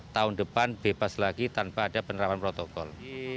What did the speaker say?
tahun depan bebas lagi tanpa ada penerapan protokol